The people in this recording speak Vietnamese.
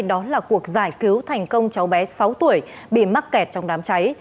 đó là cuộc giải cứu thành công cháu bé sáu tuổi bị mắc kẹt trong đám cháy